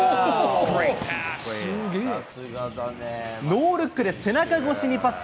ノールックで背中越しにパス。